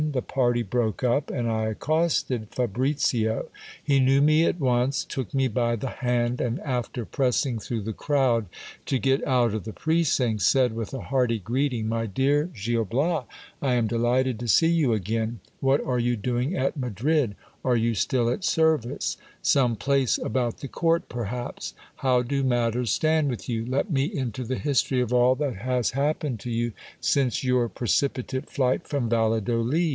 The party broke up, and I accosted Fabricio. He knew me at once ; took me by the hand, and after pressing through the crowd to get out of the precincts, said with a hearty greeting, My dear Gil Bias, I am delighted to see you again. What are you doing at Madrid ? Are you still at service ? Some place about the court perhaps ? How do matters stand with you ? Let me into the history of all that has happened to you since your precipitate flight from Valladolid.